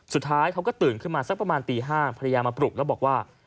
สุดท้ายเขาก็ตื่นขึ้นมาสักประมาณตี๕ภรรยามาปลุกแล้วบอกว่า